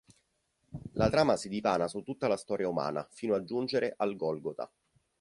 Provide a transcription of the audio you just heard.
La trama si dipana su tutta la storia umana fino a giungere al Golgota.